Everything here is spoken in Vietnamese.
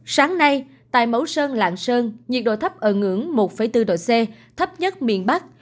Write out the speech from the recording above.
sáng nay tại mẫu sơn lạng sơn nhiệt độ thấp ở ngưỡng một bốn độ c thấp nhất miền bắc